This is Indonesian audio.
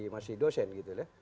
masih dosen gitu ya